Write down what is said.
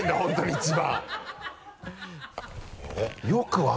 一番。